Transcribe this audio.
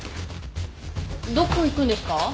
どこ行くんですか？